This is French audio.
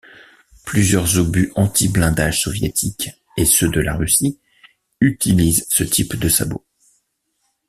Plusieurs obus antiblindage soviétiques et ceux de la Russie utilisent ce type de sabot.